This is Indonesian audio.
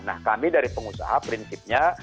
nah kami dari pengusaha prinsipnya